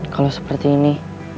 kalau seperti ini